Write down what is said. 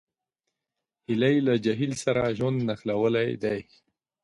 هیلۍ له جهیل سره ژوند نښلولی دی